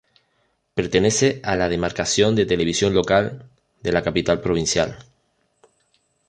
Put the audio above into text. Pertenece a la demarcación de televisión local de la capital provincial.